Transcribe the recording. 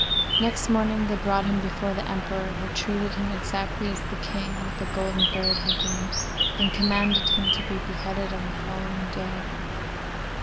Next morning they brought him before the Emperor, who treated him exactly as the King with the golden bird had done, and commanded him to be beheaded on the following day.